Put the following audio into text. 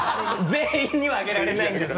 全員にはあげられないんです。